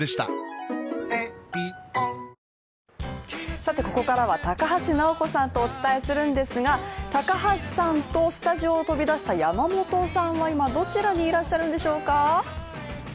さて、ここからは高橋尚子さんとお伝えするんですが高橋さんとスタジオを飛び出した山本さんは今、どちらにいらっしゃるんでしょうか？